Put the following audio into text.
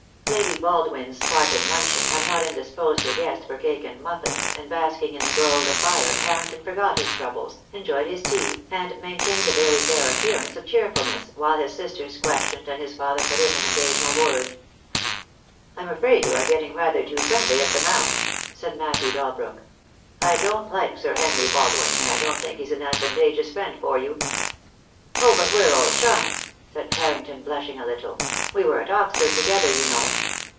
Lady Baldwin's 320 THE DAY WILL COME. Spartan luncheon had not indisposed her guest for cake and muffins, and basking in the glow of the fire Har rington forgot his troubles, enjoyed his tea, and main tained a very fair appearance of cheerfulness while his sisters questioned and his father put in an occasional word. "I'm afraid you are getting rather too friendly at the Mount," said Matthew Dalbrook. "I don't like Sir Henry Baldwin, and I don't think he's an advantageous friend for you." "Oh, but we're old chums," said Harrington, blush ing a little; "we were at Oxford together, you know."